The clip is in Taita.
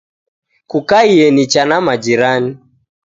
Kukaie nicha na majirani.